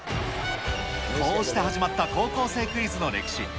こうして始まった高校生クイズの歴史。